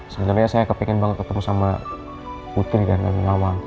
sebenarnya saya kepengen banget ketemu sama putri dan kawan kawan